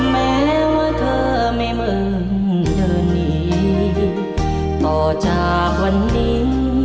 แม้ว่าเธอไม่เหมือนเธอหนีต่อจากวันนี้